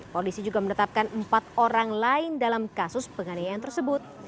polisi juga menetapkan empat orang lain dalam kasus penganiayaan tersebut